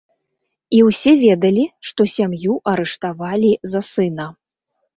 І ўсе ведалі, што сям'ю арыштавалі за сына.